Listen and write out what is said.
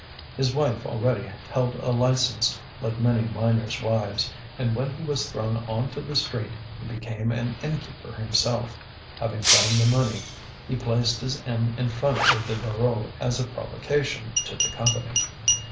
His wife already held a license, like many miners' wives; and when he was thrown on to the street he became an innkeeper himself; having found the money, he placed his inn in front of the Voreux as a provocation to the Company.